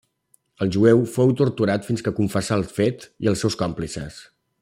El jueu fou torturat fins que confessà el fet i els seus còmplices.